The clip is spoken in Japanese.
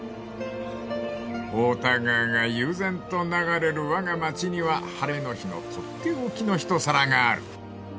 ［太田川が悠然と流れるわが町には晴れの日の取って置きの一皿がある］